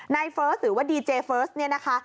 เฟิร์สหรือว่าดีเจเฟิร์สเนี่ยนะคะ